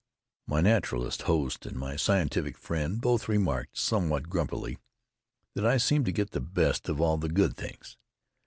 My naturalist host and my scientific friend both remarked somewhat grumpily that I seemed to get the best of all the good things.